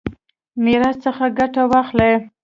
میراث څخه ګټه واخلي.